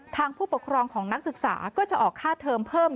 ผู้ปกครองของนักศึกษาก็จะออกค่าเทอมเพิ่ม